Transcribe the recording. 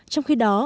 trong khi đó